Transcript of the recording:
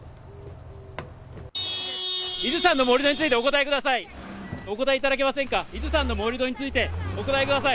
伊豆山の盛り土についてお答えください。